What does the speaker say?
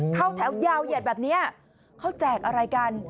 เข้าแถวยาวเหยียดแบบนี้เขาแจกอะไรกัน